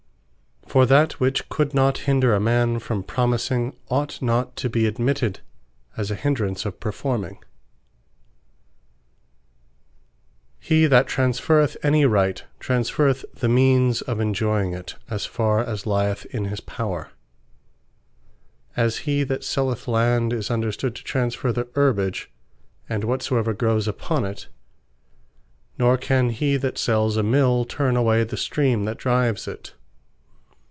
For that which could not hinder a man from promising, ought not to be admitted as a hindrance of performing. Right To The End, Containeth Right To The Means He that transferreth any Right, transferreth the Means of enjoying it, as farre as lyeth in his power. As he that selleth Land, is understood to transferre the Herbage, and whatsoever growes upon it; Nor can he that sells a Mill turn away the Stream that drives it.